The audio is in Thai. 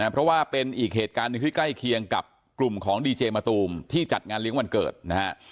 เพราะว่าเป็นอีกเหตุการณ์หนึ่งที่ใกล้เคียงกับกลุ่มของดีเจมะตูมที่จัดงานเลี้ยงวันเกิดนะฮะ